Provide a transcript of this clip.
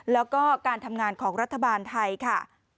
แล้วก็การทำงานของรัฐบาลไทยค่ะ